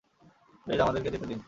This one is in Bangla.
প্লিজ, আমাদেরকে যেতে দিন!